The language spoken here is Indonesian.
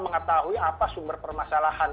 mengetahui apa sumber permasalahan